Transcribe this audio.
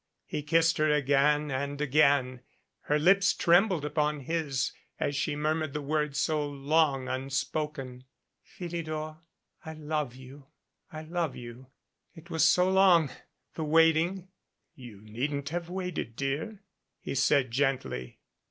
He kissed her again and again, and her lips trembled upon his as she murmured the words so long unspoken. "Philidor, I love you I love you. It was so long the waiting." "You needn't have waited, dear," he said gently.